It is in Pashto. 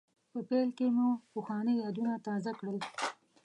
په پیل کې مو پخواني یادونه تازه کړل.